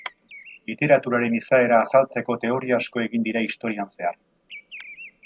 Literaturaren izaera azaltzeko teoria asko egin dira historian zehar.